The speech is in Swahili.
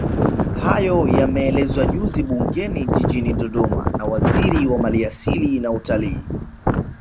Hayo yameelezwa juzi bungeni Jijini Dodoma na Waziri wa Maliasili na Utalii